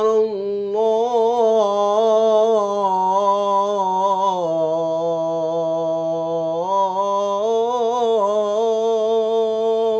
yang ini consider